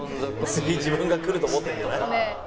次自分がくると思ってるんじゃない？